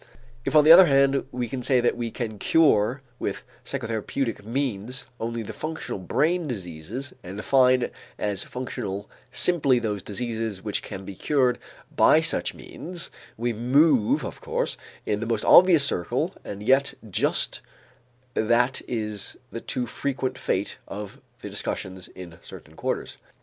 If on the other hand we say that we can cure with psychotherapeutic means only the functional brain diseases and define as functional simply those diseases which can be cured by such means, we move, of course, in the most obvious circle and yet just that is the too frequent fate of the discussions in certain quarters.